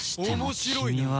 面白いな。